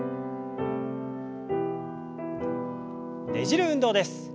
ねじる運動です。